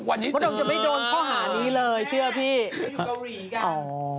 การเปลี่ยน